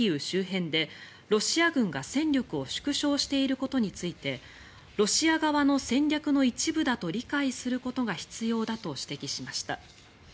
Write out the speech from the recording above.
周辺でロシア軍が戦力を縮小していることについてロシア側の戦略の一部だと理解することが必要だと指摘しました。